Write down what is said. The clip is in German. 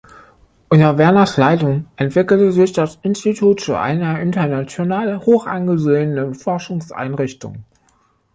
Unter Werners Leitung entwickelte sich das Institut zu einer international hochangesehenen Forschungseinrichtung.